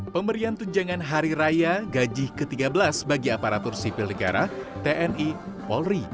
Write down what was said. pemberian tunjangan hari raya gaji ke tiga belas bagi aparatur sipil negara tni polri